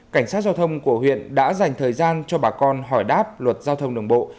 cảnh sát giao thông của huyện đã dành thời gian cho bà con hỏi đáp luật giao thông đường bộ